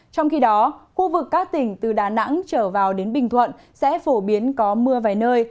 trong khi đó khu vực các tỉnh từ đà nẵng trở vào đến bình thuận sẽ phổ biến có mưa vài nơi